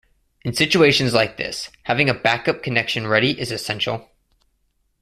In situations like this, having a backup connection ready is essential.